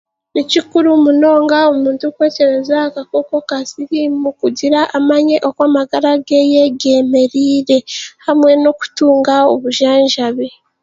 Ni kikuru munonga omuntu kwekyebeza akakooko ka siriimu kugira amanye oku amagara geeye geemerire hamwe n'okutunga obujanjabi